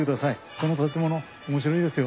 この建物面白いですよ。